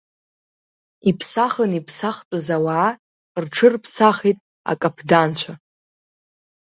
Иԥсахын иԥсахтәыз ауаа, рҽырԥсахит акаԥданцәа…